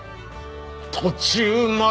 途中まで。